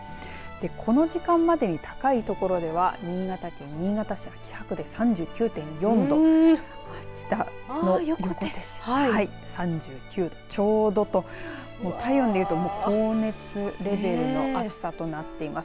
この時間までに高いところでは新潟県新潟市秋葉区で３９．４度秋田の横手市３９度ちょうどと体温でいうと高熱レベルの暑さとなっています。